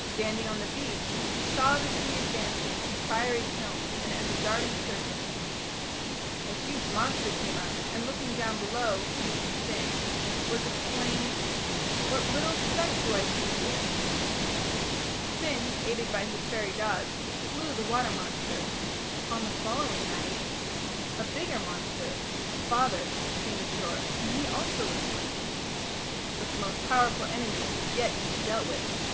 Standing on the beach, "he saw the sea advancing in fiery kilns and as a darting serpent.... A huge monster came up, and looking down below where he (Finn) was, exclaimed, 'What little speck do I see here?'" Finn, aided by his fairy dog, slew the water monster. On Finn, aided by his fairy dog, slew the water monster. On the following night a bigger monster, "the father", came ashore, and he also was slain. But the most powerful enemy had yet to be dealt with.